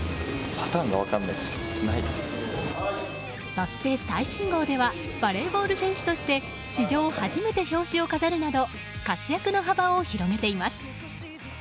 そして、最新号ではバレーボール選手として史上初めて表紙を飾るなど活躍の幅を広げています。